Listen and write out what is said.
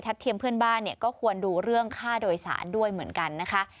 เทียมเพื่อนบ้านเนี่ยก็ควรดูเรื่องค่าโดยสารด้วยเหมือนกันนะคะ